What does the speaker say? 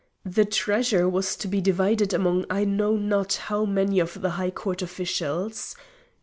The treasure was to be divided among I know not how many of the high court officials.